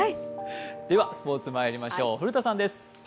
ではスポーツまいりましょう、古田さんです。